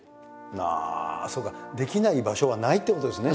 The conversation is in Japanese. ああそうかできない場所はないってことですね。